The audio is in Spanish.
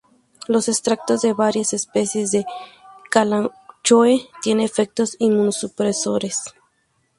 Los extractos de varias especies de "Kalanchoe" tienen efectos inmunosupresores.